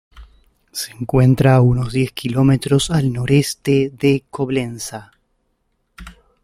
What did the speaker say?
Se encuentra a unos diez kilómetros al noroeste de Coblenza.